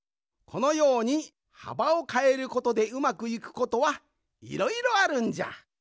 このようにはばをかえることでうまくいくことはいろいろあるんじゃ。